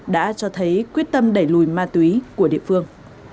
đã cho thấy quyết tâm đẩy lùi ma túy của địa phương